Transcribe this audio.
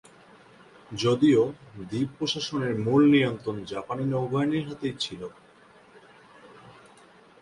যদিও, দ্বীপ প্রশাসনের মূল নিয়ন্ত্রণ জাপানি নৌবাহিনীর হাতেই ছিল।